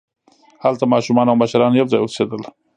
هلته ماشومان او مشران یوځای اوسېدل.